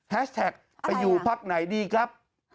แท็กไปอยู่พักไหนดีครับ